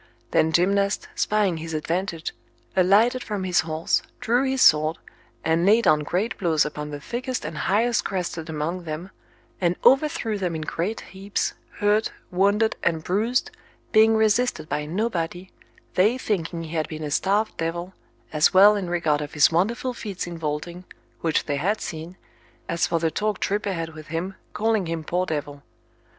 Then Gymnast, spying his advantage, alighted from his horse, drew his sword, and laid on great blows upon the thickset and highest crested among them, and overthrew them in great heaps, hurt, wounded, and bruised, being resisted by nobody, they thinking he had been a starved devil, as well in regard of his wonderful feats in vaulting, which they had seen, as for the talk Tripet had with him, calling him poor devil.